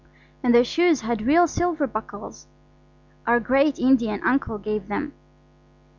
And their shoes had real silver buckles our great Indian uncle gave them.